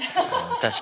確かに。